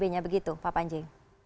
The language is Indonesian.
bagaimana dengan itu pak panji